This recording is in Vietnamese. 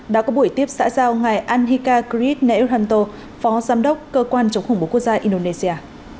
đã có buổi tiếp xã giao ngày anhika kriit neuranto phó giám đốc cơ quan chống khủng bố quốc gia indonesia